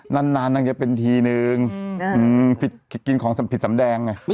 นั้นนานน่าจะเป็นทีนึงอืมผิดกินของผิดสำแดงไง